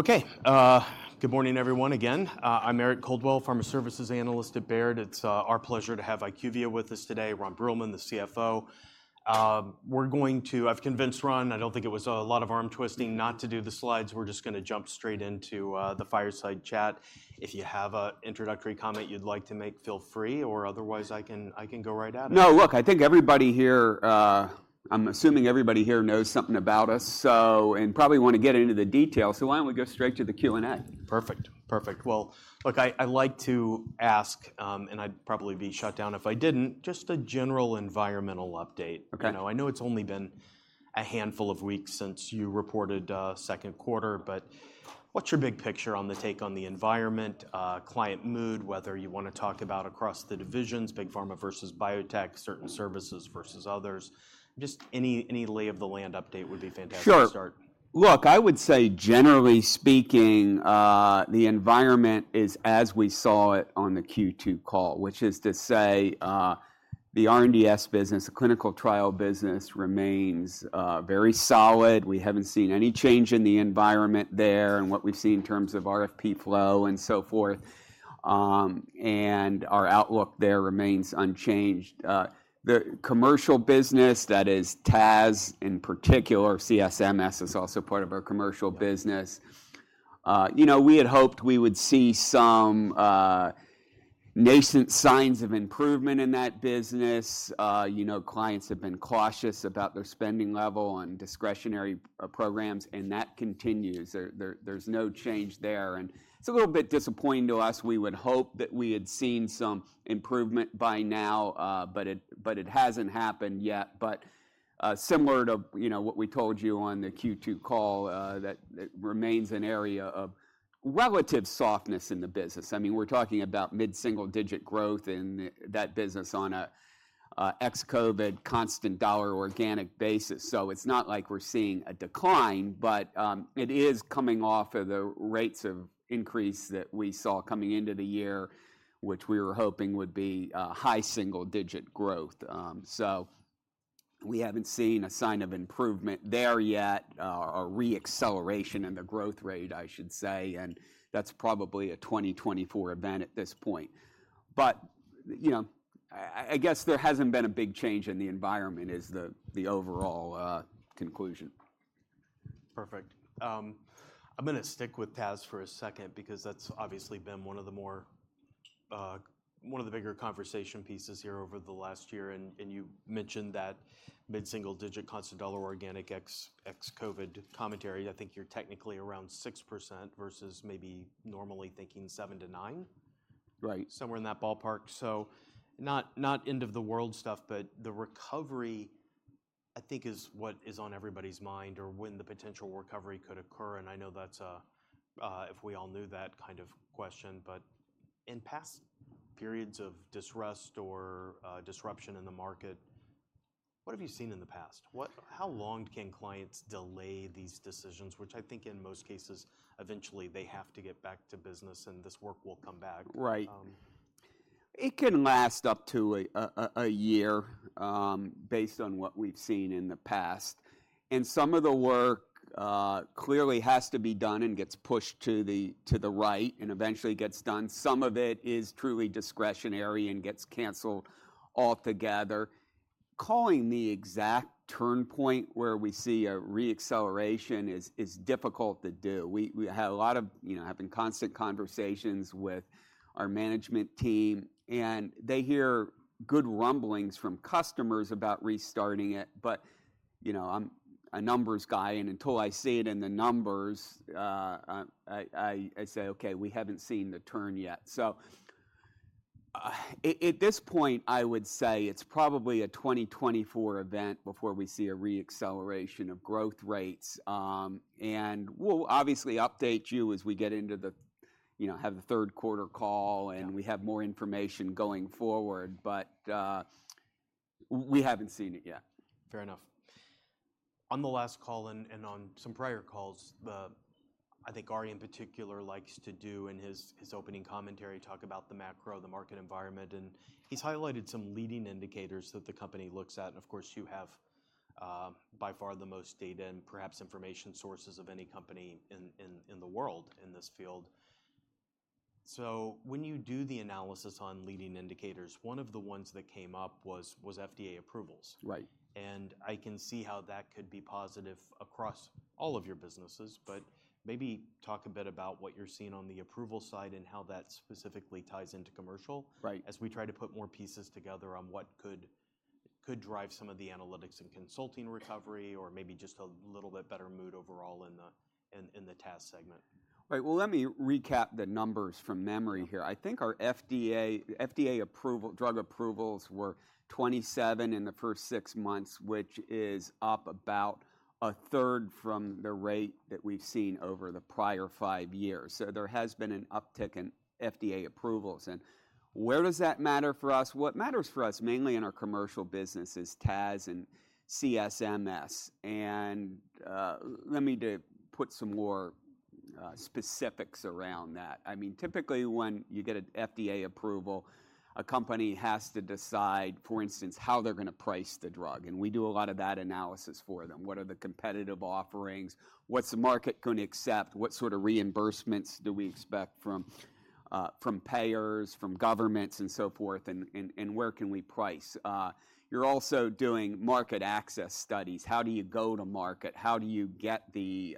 Okay, good morning, everyone, again. I'm Eric Coldwell, Pharma Services analyst at Baird. It's our pleasure to have IQVIA with us today, Ron Bruehlman, the CFO. We're going to. I've convinced Ron, I don't think it was a lot of arm twisting, not to do the slides. We're just gonna jump straight into the fireside chat. If you have a introductory comment you'd like to make, feel free, or otherwise, I can, I can go right at it. No, look, I think everybody here, I'm assuming everybody here knows something about us, so and probably wanna get into the details, so why don't we go straight to the Q&A? Perfect. Perfect. Well, look, I'd like to ask, and I'd probably be shut down if I didn't, just a general environmental update. Okay. I know it's only been a handful of weeks since you reported, second quarter, but what's your big picture on the take on the environment, client mood, whether you wanna talk about across the divisions, big pharma versus biotech, certain services versus others? Just any lay of the land update would be fantastic to start. Sure. Look, I would say, generally speaking, the environment is as we saw it on the Q2 call, which is to say, the R&DS business, the clinical trial business, remains very solid. We haven't seen any change in the environment there and what we see in terms of RFP flow and so forth. Our outlook there remains unchanged. The commercial business, that is TAS in particular, CSMS is also part of our commercial business. You know, we had hoped we would see some nascent signs of improvement in that business. You know, clients have been cautious about their spending level on discretionary programs, and that continues. There's no change there, and it's a little bit disappointing to us. We would hope that we had seen some improvement by now, but it hasn't happened yet. But, similar to, you know, what we told you on the Q2 call, that it remains an area of relative softness in the business. I mean, we're talking about mid-single-digit growth in that business on a, ex-COVID, constant dollar organic basis. So it's not like we're seeing a decline, but, it is coming off of the rates of increase that we saw coming into the year, which we were hoping would be, high single-digit growth. So we haven't seen a sign of improvement there yet, or a re-acceleration in the growth rate, I should say, and that's probably a 2024 event at this point. But, you know, I guess there hasn't been a big change in the environment is the, the overall, conclusion. Perfect. I'm gonna stick with TAS for a second because that's obviously been one of the more, one of the bigger conversation pieces here over the last year, and, and you mentioned that mid-single digit, constant dollar organic, ex, ex-COVID commentary. I think you're technically around 6% versus maybe normally thinking 7%-9%? Right. Somewhere in that ballpark. So not, not end-of-the-world stuff, but the recovery, I think, is what is on everybody's mind or when the potential recovery could occur. And I know that's a, a "if we all knew that" kind of question, but in past periods of distrust or disruption in the market, what have you seen in the past? What—how long can clients delay these decisions, which I think in most cases, eventually, they have to get back to business, and this work will come back. Right. Um- It can last up to a year, based on what we've seen in the past, and some of the work clearly has to be done and gets pushed to the right and eventually gets done. Some of it is truly discretionary and gets canceled altogether. Calling the exact turn point where we see a re-acceleration is difficult to do. We had a lot of, you know, having constant conversations with our management team, and they hear good rumblings from customers about restarting it. But, you know, I'm a numbers guy, and until I see it in the numbers, I say, "Okay, we haven't seen the turn yet." So, at this point, I would say it's probably a 2024 event before we see a re-acceleration of growth rates. We'll obviously update you as we get into the... you know, have the third quarter call, and- Yeah... we have more information going forward, but, we haven't seen it yet. Fair enough. On the last call and on some prior calls, I think Ari, in particular, likes to do in his opening commentary, talk about the macro, the market environment, and he's highlighted some leading indicators that the company looks at. And of course, you have by far the most data and perhaps information sources of any company in the world in this field. So when you do the analysis on leading indicators, one of the ones that came up was FDA approvals. Right. I can see how that could be positive across all of your businesses, but maybe talk a bit about what you're seeing on the approval side and how that specifically ties into commercial- Right... as we try to put more pieces together on what could drive some of the analytics and consulting recovery or maybe just a little bit better mood overall in the TAS segment. Right. Well, let me recap the numbers from memory here. I think our FDA drug approvals were 27 in the first six months, which is up about a third from the rate that we've seen over the prior five years. So there has been an uptick in FDA approvals, and where does that matter for us? What matters for us, mainly in our commercial business, is TAS and CSMS. And, let me put some more specifics around that. I mean, typically, when you get an FDA approval, a company has to decide, for instance, how they're gonna price the drug, and we do a lot of that analysis for them. What are the competitive offerings? What's the market gonna accept? What sort of reimbursements do we expect from payers, from governments, and so forth, and where can we price? You're also doing market access studies. How do you go to market? How do you get the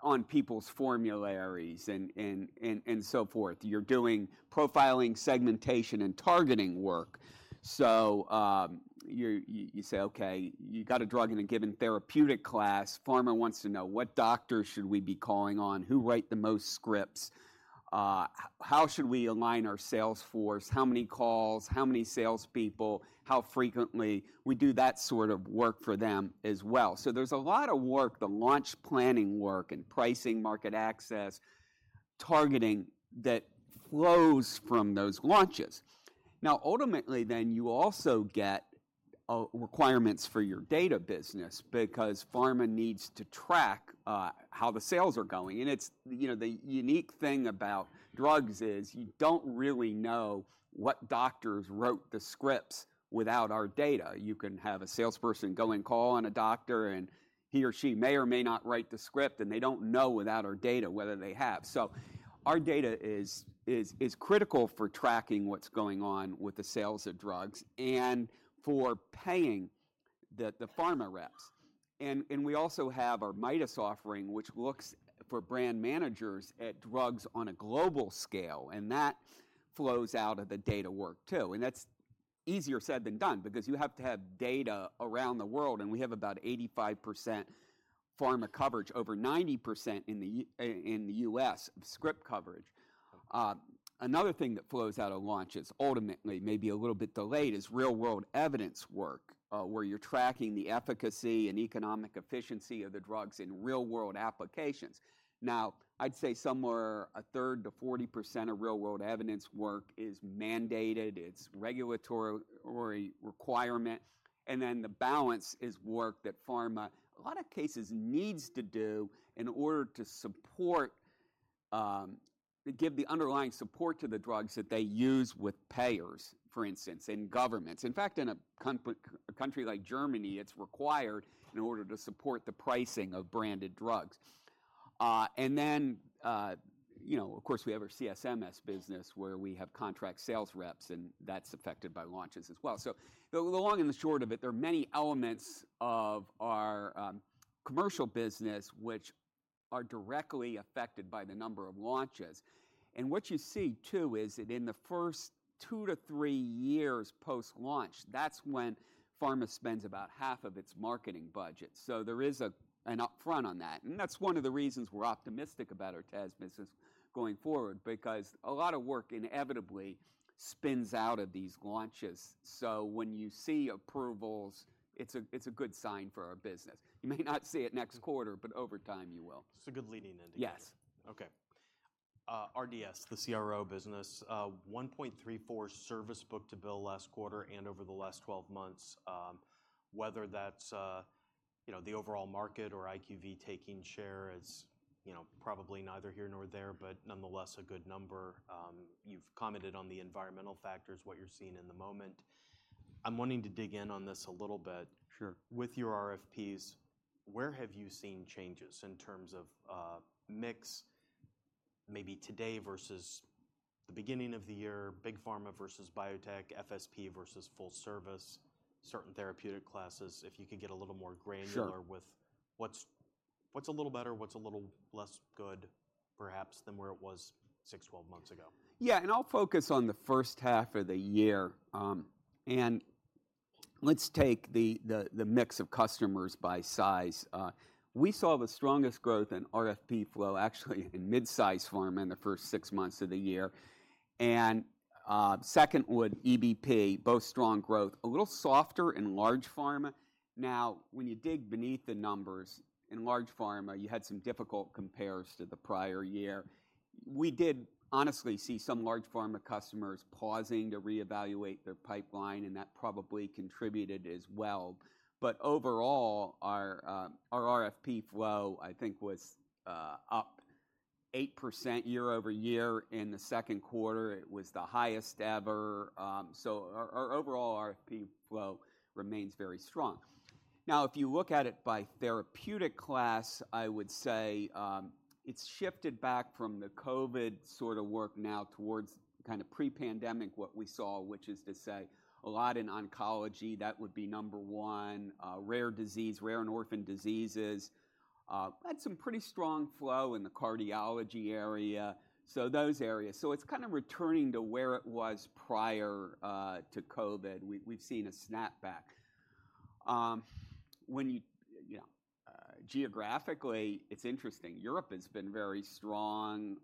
on people's formularies and so forth. You're doing profiling, segmentation, and targeting work. So, you say, "Okay, you got a drug in a given therapeutic class." Pharma wants to know: What doctors should we be calling on? Who write the most scripts? How should we align our sales force? How many calls, how many salespeople, how frequently? We do that sort of work for them as well. So there's a lot of work, the launch planning work and pricing, market access, targeting, that flows from those launches. Now, ultimately, then you also get requirements for your data business because pharma needs to track how the sales are going. And it's... You know, the unique thing about drugs is you don't really know what doctors wrote the scripts without our data. You can have a salesperson go and call on a doctor, and he or she may or may not write the script, and they don't know without our data, whether they have. So our data is critical for tracking what's going on with the sales of drugs and for paying the pharma reps. And we also have our Midas offering, which looks for brand managers at drugs on a global scale, and that flows out of the data work, too. And that's easier said than done because you have to have data around the world, and we have about 85% pharma coverage, over 90% in the U.S., script coverage. Another thing that flows out of launches, ultimately, maybe a little bit delayed, is real-world evidence work, where you're tracking the efficacy and economic efficiency of the drugs in real-world applications. Now, I'd say somewhere a third to 40% of real-world evidence work is mandated, it's regulatory requirement, and then the balance is work that pharma, a lot of cases, needs to do in order to support, to give the underlying support to the drugs that they use with payers, for instance, and governments. In fact, in a country like Germany, it's required in order to support the pricing of branded drugs. You know, of course, we have our CSMS business, where we have contract sales reps, and that's affected by launches as well. So the long and the short of it, there are many elements of our commercial business which are directly affected by the number of launches. And what you see, too, is that in the first two to three years post-launch, that's when pharma spends about half of its marketing budget, so there is an upfront on that. And that's one of the reasons we're optimistic about our TAS business going forward, because a lot of work inevitably spins out of these launches. So when you see approvals, it's a good sign for our business. You may not see it next quarter, but over time you will. It's a good leading indicator. Yes. Okay. R&DS, the CRO business, 1.34 service book-to-bill last quarter and over the last 12 months. Whether that's, you know, the overall market or IQV taking share is, you know, probably neither here nor there, but nonetheless a good number. You've commented on the environmental factors, what you're seeing in the moment. I'm wanting to dig in on this a little bit. Sure. With your RFPs, where have you seen changes in terms of mix maybe today versus the beginning of the year, big pharma versus biotech, FSP versus full service, certain therapeutic classes? If you could get a little more granular- Sure... with what's a little better, what's a little less good, perhaps, than where it was 6, 12 months ago. Yeah, and I'll focus on the first half of the year. And let's take the mix of customers by size. We saw the strongest growth in RFP flow, actually, in mid-size pharma in the first six months of the year, and second would EBP, both strong growth. A little softer in large pharma. Now, when you dig beneath the numbers, in large pharma, you had some difficult compares to the prior year. We did honestly see some large pharma customers pausing to reevaluate their pipeline, and that probably contributed as well. But overall, our RFP flow, I think, was up 8% year-over-year. In the second quarter, it was the highest ever, so our overall RFP flow remains very strong. Now, if you look at it by therapeutic class, I would say, it's shifted back from the COVID sort of work now towards kind of pre-pandemic, what we saw, which is to say a lot in oncology. That would be number one, rare disease, rare and orphan diseases. We had some pretty strong flow in the cardiology area, so those areas. So it's kind of returning to where it was prior, to COVID. We, we've seen a snapback. When you... You know, geographically, it's interesting. Europe has been very strong,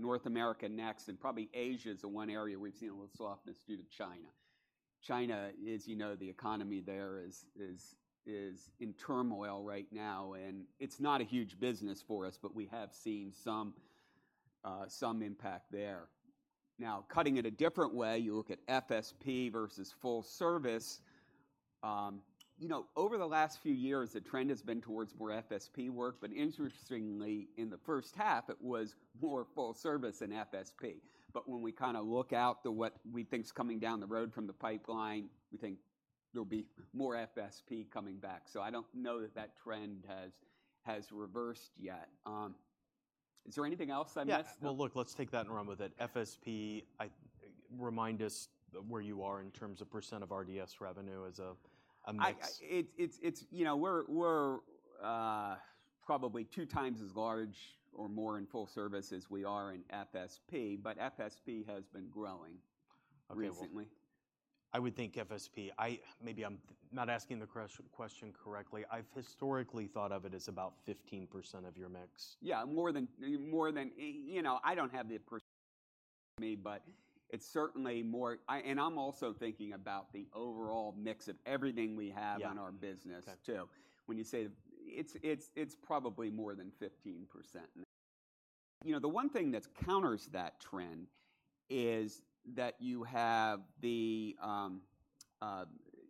North America next, and probably Asia is the one area we've seen a little softness due to China. China, as you know, the economy there is in turmoil right now, and it's not a huge business for us, but we have seen some, some impact there. Now, cutting it a different way, you look at FSP versus full service, you know, over the last few years, the trend has been towards more FSP work, but interestingly, in the first half, it was more full service than FSP. But when we kind of look out to what we think is coming down the road from the pipeline, we think there'll be more FSP coming back. So I don't know that that trend has, has reversed yet. Is there anything else I missed? Yeah. Well, look, let's take that and run with it. FSP, remind us where you are in terms of % of R&DS revenue as a mix. It's, you know, we're probably two times as large or more in full service as we are in FSP, but FSP has been growing- Okay. - recently. I would think FSP. Maybe I'm not asking the question correctly. I've historically thought of it as about 15% of your mix. Yeah, more than you know, I don't have the percentage, but it's certainly more... and I'm also thinking about the overall mix of everything we have- Yeah. - in our business too. Got you. When you say... It's probably more than 15%. You know, the one thing that counters that trend is that you have the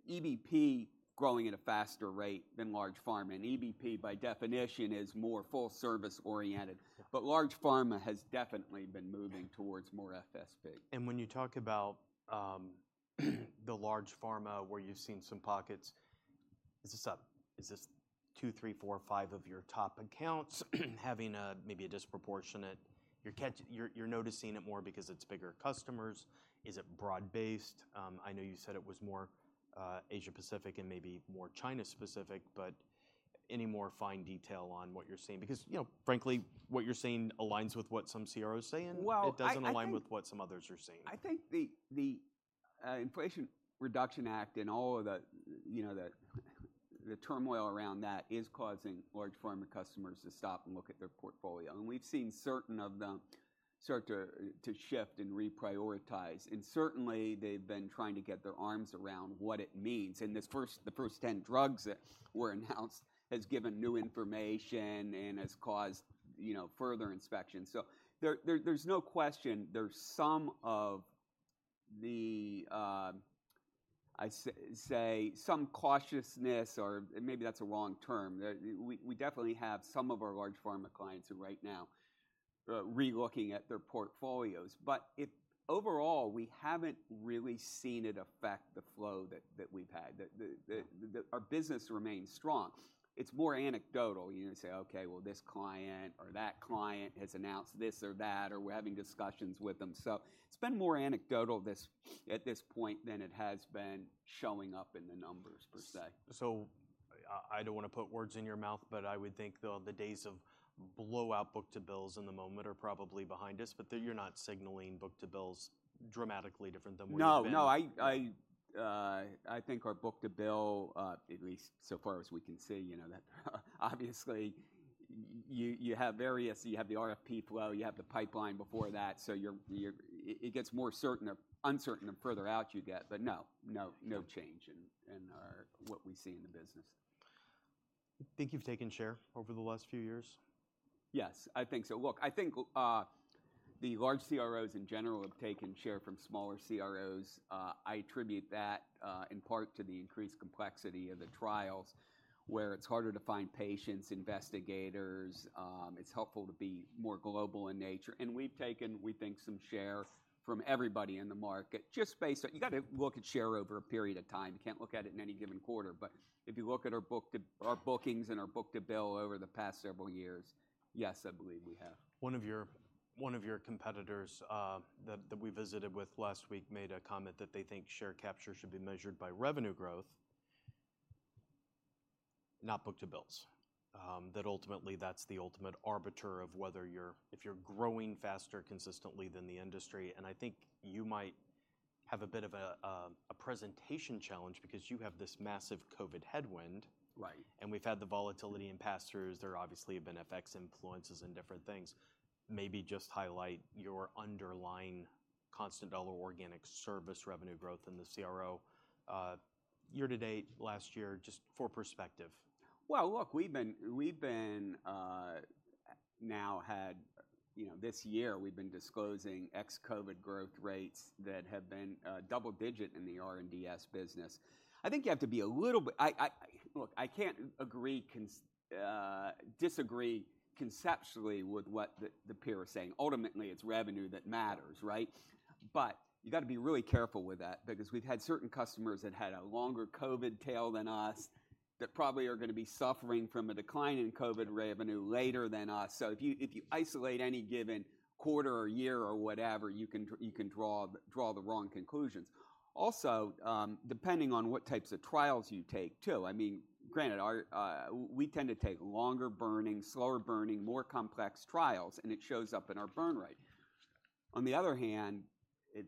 EBP growing at a faster rate than large pharma, and EBP, by definition, is more full service-oriented. Yeah. But large pharma has definitely been moving towards more FSP. When you talk about the large pharma, where you've seen some pockets, is this 2, 3, 4, 5 of your top accounts having a maybe a disproportionate... You're noticing it more because it's bigger customers? Is it broad-based? I know you said it was more Asia-Pacific and maybe more China-specific, but any more fine detail on what you're seeing? Because, you know, frankly, what you're saying aligns with what some CROs are saying- Well, I think- It doesn't align with what some others are saying. I think the Inflation Reduction Act and all of the, you know, the turmoil around that is causing large pharma customers to stop and look at their portfolio. We've seen certain of them start to shift and reprioritize, and certainly, they've been trying to get their arms around what it means. This first, the first ten drugs that were announced has given new information and has caused, you know, further inspection. So there, there's no question there's some of the, I say some cautiousness or maybe that's a wrong term. We definitely have some of our large pharma clients who right now are relooking at their portfolios, but it. Overall, we haven't really seen it affect the flow that we've had. Our business remains strong. It's more anecdotal. You're going to say, "Okay, well, this client or that client has announced this or that, or we're having discussions with them." So it's been more anecdotal this, at this point than it has been showing up in the numbers per se. So I don't want to put words in your mouth, but I would think, though, the days of blowout book-to-bills at the moment are probably behind us, but that you're not signaling book-to-bills dramatically different than where you've been. No, no, I think our book-to-bill, at least so far as we can see, you know, that obviously you have various... You have the RFP flow, you have the pipeline before that, so you're, it gets more certain or uncertain the further out you get. But no, no, no change in what we see in the business. Think you've taken share over the last few years? Yes, I think so. Look, I think the large CROs in general have taken share from smaller CROs. I attribute that in part to the increased complexity of the trials, where it's harder to find patients, investigators. It's helpful to be more global in nature, and we've taken, we think, some share from everybody in the market, just based on... You got to look at share over a period of time. You can't look at it in any given quarter, but if you look at our bookings and our book-to-bill over the past several years, yes, I believe we have. One of your competitors that we visited with last week made a comment that they think share capture should be measured by revenue growth, not book-to-bills. That ultimately, that's the ultimate arbiter of whether you're, if you're growing faster consistently than the industry, and I think you might have a bit of a presentation challenge because you have this massive COVID headwind. Right. We've had the volatility in pass-throughs. There obviously have been FX influences and different things. Maybe just highlight your underlying constant dollar organic service revenue growth in the CRO year to date, last year, just for perspective. Well, look, we've been, we've been, now had, you know, this year, we've been disclosing ex-Covid growth rates that have been double digit in the R&DS business. I think you have to be a little bit... I, I, look, I can't agree con- disagree conceptually with what the, the peer is saying. Ultimately, it's revenue that matters, right? But you've got to be really careful with that because we've had certain customers that had a longer Covid tail than us, that probably are gonna be suffering from a decline in Covid revenue later than us. So if you isolate any given quarter or year or whatever, you can draw, draw the wrong conclusions. Also, depending on what types of trials you take, too, I mean, granted, we tend to take longer burning, slower burning, more complex trials, and it shows up in our burn rate. On the other hand,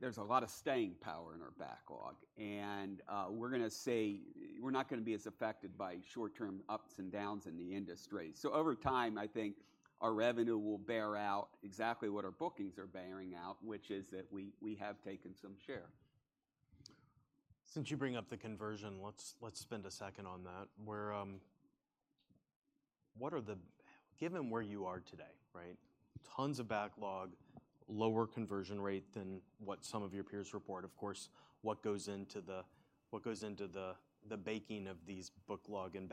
there's a lot of staying power in our backlog, and we're gonna say, we're not gonna be as affected by short-term ups and downs in the industry. So over time, I think our revenue will bear out exactly what our bookings are bearing out, which is that we, we have taken some share. Since you bring up the conversion, let's spend a second on that. We're given where you are today, right? Tons of backlog, lower conversion rate than what some of your peers report. Of course, what goes into the baking of these backlog and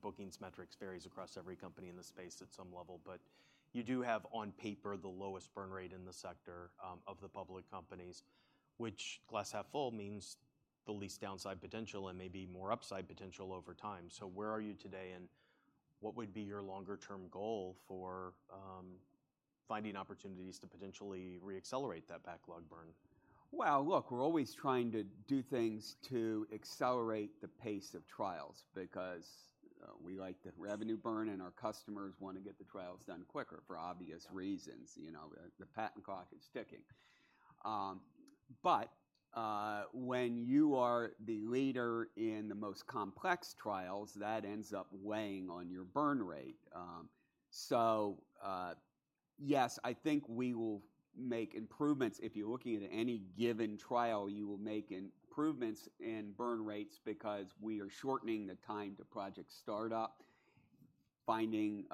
bookings metrics varies across every company in the space at some level. But you do have, on paper, the lowest burn rate in the sector of the public companies, which glass half full, means the least downside potential and maybe more upside potential over time. So where are you today, and what would be your longer-term goal for finding opportunities to potentially re-accelerate that backlog burn? Well, look, we're always trying to do things to accelerate the pace of trials, because we like the revenue burn, and our customers want to get the trials done quicker for obvious reasons. You know, the patent clock is ticking. But when you are the leader in the most complex trials, that ends up weighing on your burn rate. So, yes, I think we will make improvements. If you're looking at any given trial, you will make improvements in burn rates because we are shortening the time to project startup, finding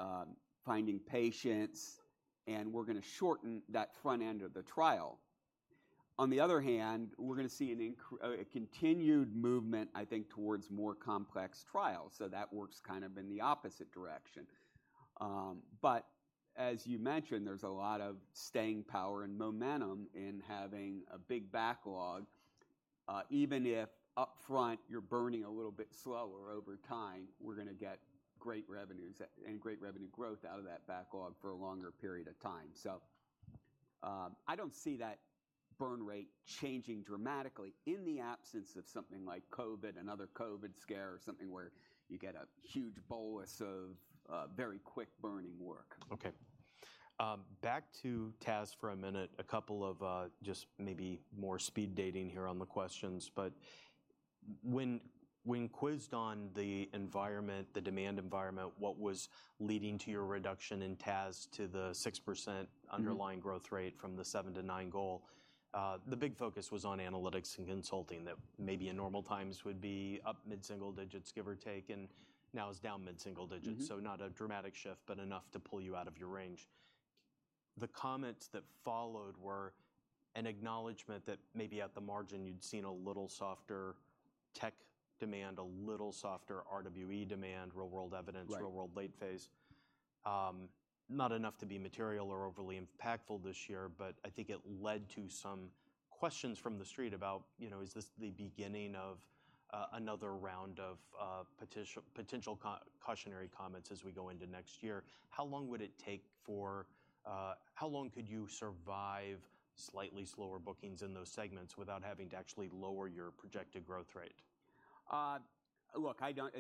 finding patients, and we're gonna shorten that front end of the trial. On the other hand, we're gonna see a continued movement, I think, towards more complex trials, so that works kind of in the opposite direction. As you mentioned, there's a lot of staying power and momentum in having a big backlog. Even if upfront, you're burning a little bit slower over time, we're gonna get great revenues and, and great revenue growth out of that backlog for a longer period of time. I don't see that burn rate changing dramatically in the absence of something like COVID, another COVID scare or something where you get a huge bolus of, very quick-burning work. Okay. Back to TAS for a minute. A couple of, just maybe more speed dating here on the questions, but when, when quizzed on the environment, the demand environment, what was leading to your reduction in TAS to the 6%- Mm-hmm... underlying growth rate from the 7-9 goal, the big focus was on analytics and consulting that maybe in normal times would be up mid-single digits, give or take, and now is down mid-single digits. Mm-hmm. So not a dramatic shift, but enough to pull you out of your range. The comments that followed were an acknowledgment that maybe at the margin you'd seen a little softer tech demand, a little softer RWE demand, real-world evidence- Right... real-world late phase. Not enough to be material or overly impactful this year, but I think it led to some questions from the street about, you know, is this the beginning of another round of potential cautionary comments as we go into next year? How long could you survive slightly slower bookings in those segments without having to actually lower your projected growth rate? Look, I don't...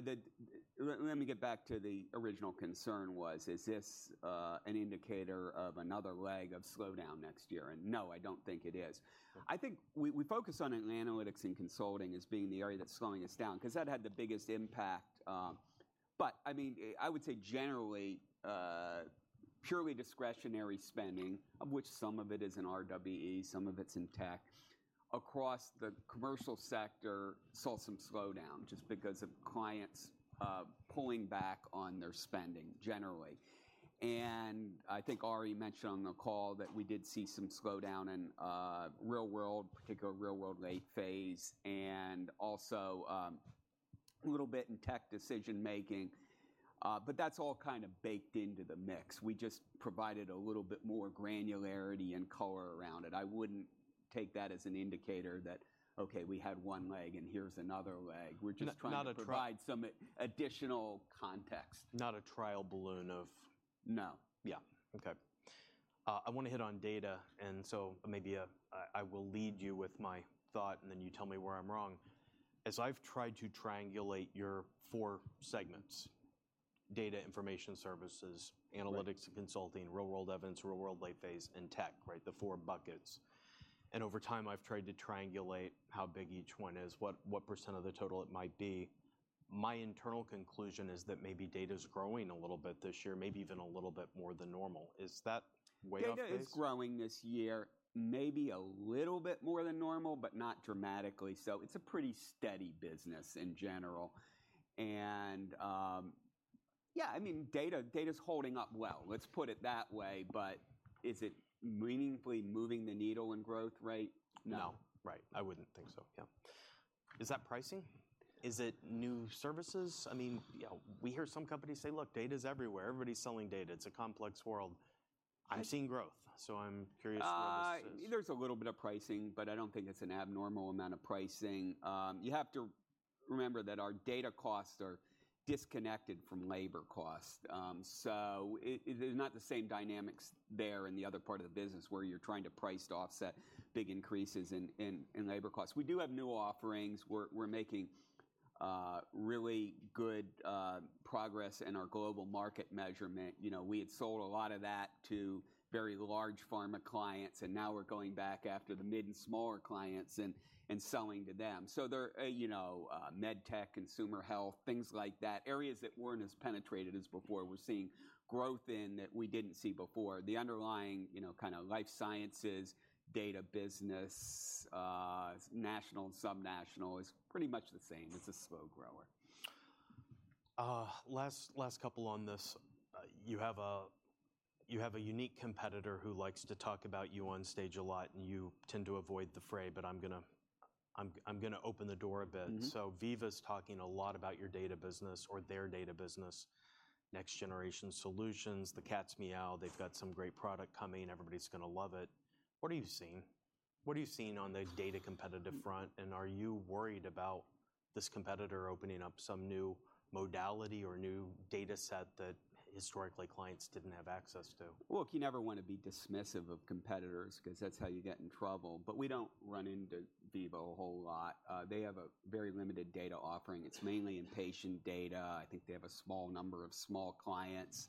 Let me get back to the original concern was: Is this an indicator of another leg of slowdown next year? No, I don't think it is. Okay. I think we focused on analytics and consulting as being the area that's slowing us down, 'cause that had the biggest impact. But, I mean, I would say generally, purely discretionary spending, of which some of it is in RWE, some of it's in tech, across the commercial sector, saw some slowdown just because of clients pulling back on their spending generally. And I think Ari mentioned on the call that we did see some slowdown in real-world, particularly real-world late phase, and also a little bit in tech decision-making, but that's all kind of baked into the mix. We just provided a little bit more granularity and color around it. I wouldn't take that as an indicator that, okay, we had one leg, and here's another leg. We're just trying- Not a trial-... to provide some additional context. Not a trial balloon of- No. Yeah. Okay. I wanna hit on data, and so maybe, I will lead you with my thought, and then you tell me where I'm wrong. As I've tried to triangulate your four segments, data information services- Right... analytics and consulting, Real-World Evidence, real-world late phase, and tech, right? The four buckets. And over time, I've tried to triangulate how big each one is, what, what percent of the total it might be. My internal conclusion is that maybe data's growing a little bit this year, maybe even a little bit more than normal. Is that way off base? Data is growing this year, maybe a little bit more than normal, but not dramatically so. It's a pretty steady business in general. And, yeah, I mean, data, data's holding up well. Let's put it that way, but is it meaningfully moving the needle in growth rate? No. No. Right, I wouldn't think so. Yeah. Is that pricing? Is it new services? I mean, you know, we hear some companies say, "Look, data's everywhere. Everybody's selling data. It's a complex world. I- I'm seeing growth, so I'm curious what this is. There's a little bit of pricing, but I don't think it's an abnormal amount of pricing. You have to remember that our data costs are disconnected from labor costs. So, there's not the same dynamics there in the other part of the business where you're trying to price to offset big increases in labor costs. We do have new offerings. We're making really good progress in our global market measurement. You know, we had sold a lot of that to very large pharma clients, and now we're going back after the mid and smaller clients and selling to them. So there, you know, med tech, consumer health, things like that, areas that weren't as penetrated as before, we're seeing growth in that we didn't see before. The underlying, you know, kind of life sciences, data business, national and subnational, is pretty much the same. It's a slow grower.... Last couple on this. You have a unique competitor who likes to talk about you on stage a lot, and you tend to avoid the fray, but I'm gonna open the door a bit. Mm-hmm. So Veeva's talking a lot about your data business or their data business, next generation solutions, the cat's meow. They've got some great product coming. Everybody's gonna love it. What are you seeing? What are you seeing on the data competitive front, and are you worried about this competitor opening up some new modality or new data set that historically clients didn't have access to? Look, you never want to be dismissive of competitors 'cause that's how you get in trouble. But we don't run into Veeva a whole lot. They have a very limited data offering. It's mainly in patient data. I think they have a small number of small clients.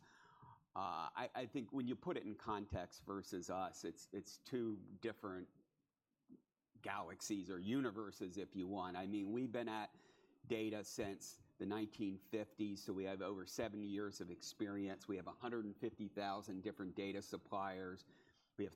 I think when you put it in context versus us, it's two different galaxies or universes, if you want. I mean, we've been at data since the 1950s, so we have over 70 years of experience. We have 150,000 different data suppliers. We have...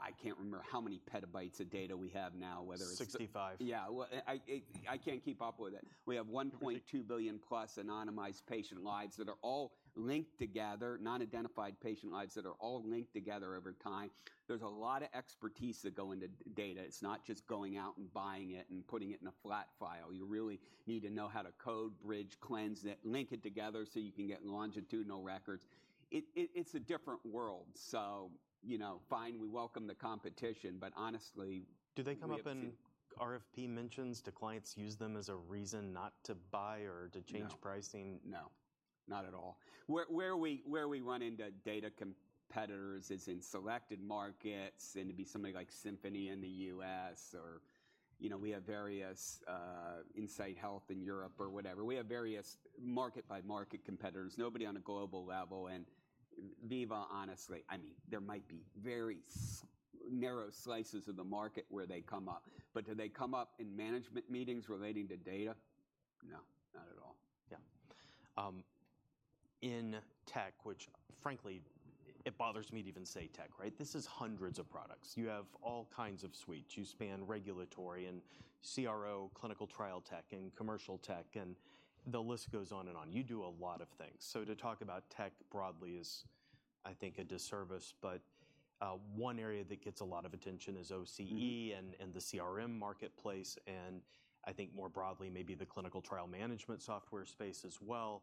I can't remember how many petabytes of data we have now, whether it's- Sixty-five. Yeah. Well, I can't keep up with it. We have 1.2 billion plus anonymized patient lives that are all linked together, non-identified patient lives that are all linked together over time. There's a lot of expertise that go into data. It's not just going out and buying it and putting it in a flat file. You really need to know how to code, bridge, cleanse it, link it together so you can get longitudinal records. It's a different world, so, you know, fine, we welcome the competition, but honestly, we have two- Do they come up in RFP mentions? Do clients use them as a reason not to buy or to change- No... pricing? No, not at all. Where we run into data competitors is in selected markets, and it'd be somebody like Symphony in the U.S. or, you know, we have various, Insight Health in Europe or whatever. We have various market-by-market competitors, nobody on a global level, and Veeva, honestly, I mean, there might be very s- narrow slices of the market where they come up. But do they come up in management meetings relating to data? No, not at all. Yeah. In tech, which frankly, it bothers me to even say tech, right? This is hundreds of products. You have all kinds of suites. You span regulatory and CRO, clinical trial tech and commercial tech, and the list goes on and on. You do a lot of things. So to talk about tech broadly is, I think, a disservice, but, one area that gets a lot of attention is OCE- Mm-hmm... and the CRM marketplace, and I think more broadly, maybe the clinical trial management software space as well.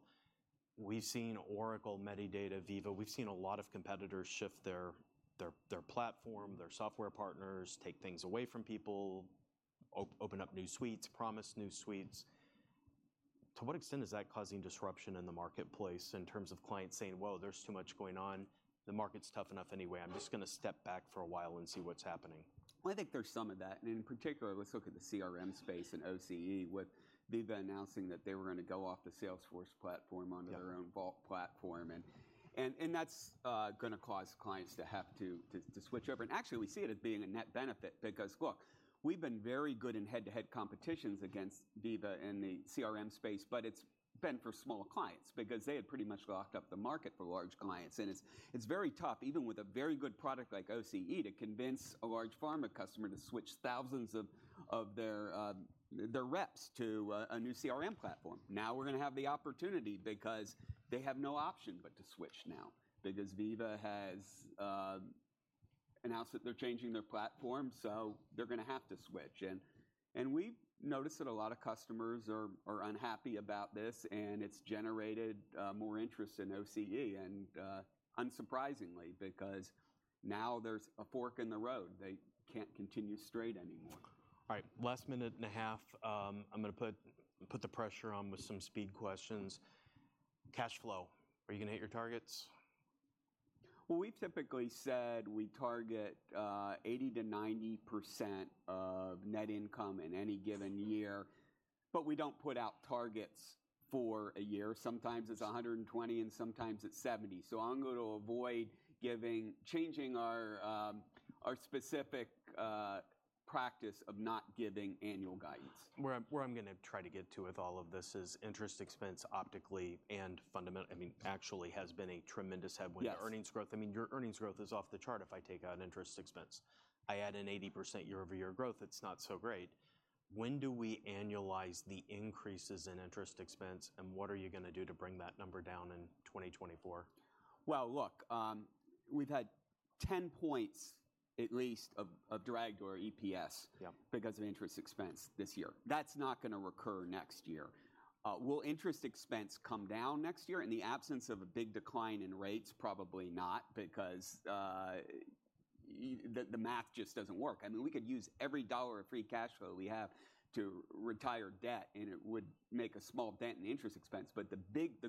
We've seen Oracle, Medidata, Veeva. We've seen a lot of competitors shift their platform, their software partners, take things away from people, open up new suites, promise new suites. To what extent is that causing disruption in the marketplace in terms of clients saying, "Whoa, there's too much going on. The market's tough enough anyway. I'm just gonna step back for a while and see what's happening"? Well, I think there's some of that, and in particular, let's look at the CRM space and OCE, with Veeva announcing that they were gonna go off the Salesforce platform- Yeah... onto their own Vault platform. And that's gonna cause clients to have to switch over, and actually, we see it as being a net benefit because, look, we've been very good in head-to-head competitions against Veeva in the CRM space, but it's been for smaller clients because they had pretty much locked up the market for large clients. And it's very tough, even with a very good product like OCE, to convince a large pharma customer to switch thousands of their reps to a new CRM platform. Now, we're gonna have the opportunity because they have no option but to switch now. Because Veeva has announced that they're changing their platform, so they're gonna have to switch. And we've noticed that a lot of customers are unhappy about this, and it's generated more interest in OCE, and unsurprisingly, because now there's a fork in the road. They can't continue straight anymore. All right, last minute and a half, I'm gonna put the pressure on with some speed questions. Cash flow, are you gonna hit your targets? Well, we've typically said we target 80%-90% of net income in any given year, but we don't put out targets for a year. Sometimes it's 120, and sometimes it's 70. So I'm going to avoid changing our specific practice of not giving annual guidance. Where I'm gonna try to get to with all of this is interest expense, optically and fundamentally—I mean, actually, has been a tremendous headwind- Yes... to earnings growth. I mean, your earnings growth is off the chart if I take out interest expense. I add in 80% year-over-year growth, it's not so great. When do we annualize the increases in interest expense, and what are you gonna do to bring that number down in 2024? Well, look, we've had 10 points, at least, of drag to our EPS- Yeah... because of interest expense this year. That's not gonna recur next year. Will interest expense come down next year? In the absence of a big decline in rates, probably not, because the math just doesn't work. I mean, we could use every dollar of free cash flow we have to retire debt, and it would make a small dent in interest expense. But the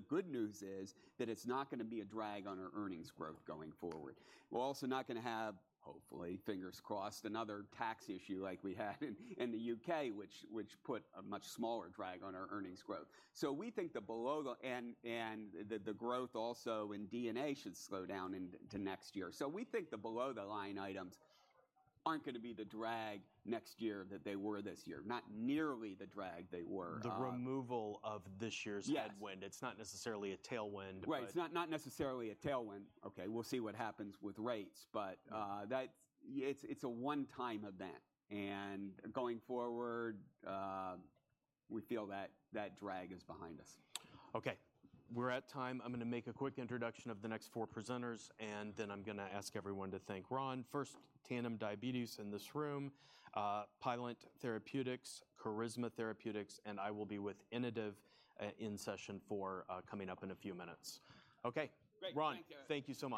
good news is that it's not gonna be a drag on our earnings growth going forward. We're also not gonna have, hopefully, fingers crossed, another tax issue like we had in the U.K., which put a much smaller drag on our earnings growth. So we think the below the. And the growth also in DNA should slow down into next year. So we think the below-the-line items aren't gonna be the drag next year that they were this year, not nearly the drag they were. The removal of this year's- Yes... headwind. It's not necessarily a tailwind, but- Right. It's not, not necessarily a tailwind. Okay, we'll see what happens with rates, but Yeah... that, it's, it's a one-time event. And going forward, we feel that that drag is behind us. Okay, we're at time. I'm gonna make a quick introduction of the next four presenters, and then I'm gonna ask everyone to thank Ron. First, Tandem Diabetes in this room, Pliant Therapeutics, Carisma Therapeutics, and I will be with Inotiv in session four coming up in a few minutes. Okay. Great. Thank you. Ron, thank you so much.